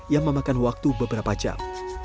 yang memakan waktu beberapa jam